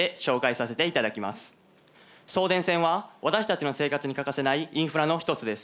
送電線は私たちの生活に欠かせないインフラの一つです。